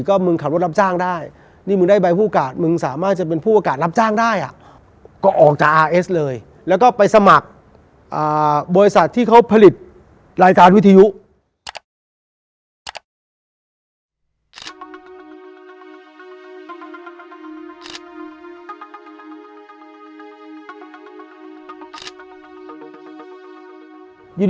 ออกจากอ่าเอสเลยแล้วก็ไปสมัครอ่าบริษัทที่เค้าผลิตรายการวิทยุ